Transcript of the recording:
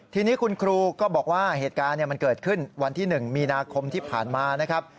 ทีนี้คุณครูก็บอกว่าเหตุการณ์มันเกิดขึ้นวันที่๑มีนาคมที่ผ่านมานะครับ